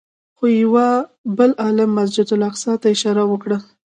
خو یوه بل عالم مسجد اقصی ته اشاره وکړه.